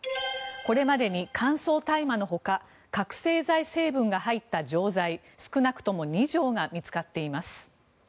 これまでに乾燥大麻のほか覚醒剤成分が入った錠剤少なくとも２錠が見つかっています。